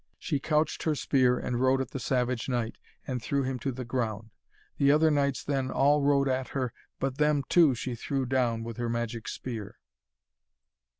She couched her spear and rode at the Savage Knight, and threw him to the ground. The other knights then all rode at her, but them, too, she threw down with her magic spear.